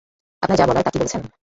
আপনার যা বলার তা কি বলেছেন?